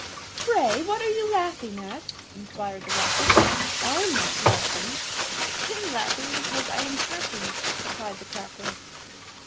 "Pray, what are you laughing at?" inquired the Rocket; "I am not laughing." "I am laughing because I am happy," replied the Cracker.